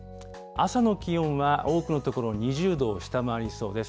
朝の気温は多くの所、２０度を下回りそうです。